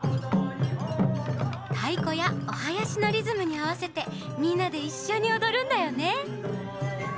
たいこやおはやしのリズムにあわせてみんなでいっしょにおどるんだよね。